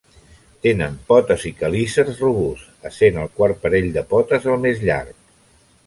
Tenen potes i quelícers robusts, essent el quart parell de potes el més llarg.